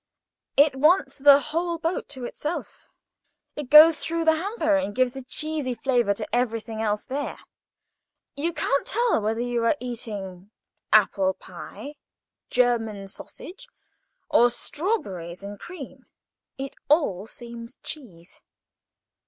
It wants the whole boat to itself. It goes through the hamper, and gives a cheesy flavour to everything else there. You can't tell whether you are eating apple pie or German sausage, or strawberries and cream. It all seems cheese.